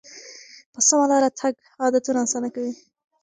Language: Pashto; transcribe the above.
په سمه لاره تګ عادتونه اسانه کوي.